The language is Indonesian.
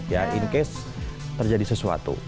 ya in case terjadi sesuatu